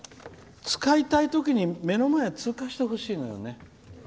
使いたいときに目の前を通過してほしいのよね。